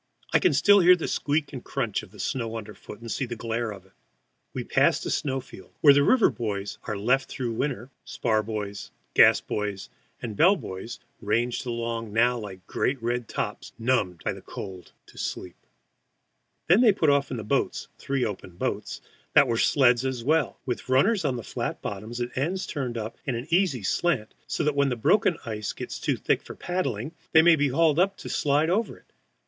I can still hear the squeak and crunch of snow under foot, and see the glare of it. We passed a snow field, where the river buoys are left through winter, spar buoys, gas buoys, and bell buoys ranged along now like great red tops numbed by the cold to sleep. [Illustration: RIVER BUOYS ON THE BANK FOR THE WINTER.] Then they put off in the boats three open boats that are sleds as well, with runners on the flat bottoms and ends turned up in an easy slant, so that when the broken ice gets too thick for paddling they may be hauled up to slide over it.